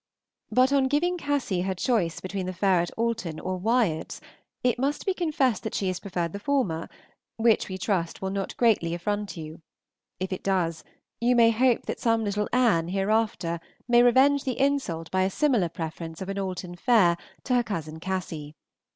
But on giving Cassy her choice between the Fair at Alton or Wyards, it must be confessed that she has preferred the former, which we trust will not greatly affront you; if it does, you may hope that some little Anne hereafter may revenge the insult by a similar preference of an Alton Fair to her Cousin Cassy.